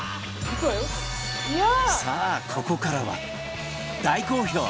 さあここからは大好評！